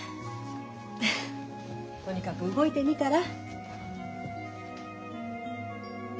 とにかく動いてみたら？